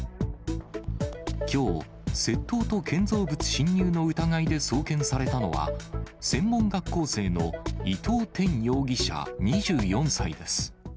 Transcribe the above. きょう、窃盗と建造物侵入の疑いで送検されたのは、専門学校生の伊藤天容疑者２４歳です。